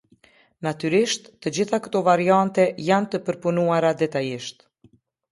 Natyrisht, të gjitha këto variante, janë të përpunuara detajisht.